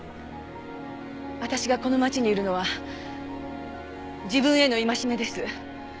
私がこの町にいるのは自分への戒めです。